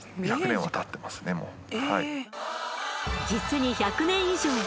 実に１００年以上。